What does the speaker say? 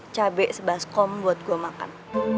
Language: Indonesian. cabai sebaskom buat gue makan